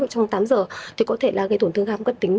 trong tám giờ thì có thể gây tổn thương gan cất tính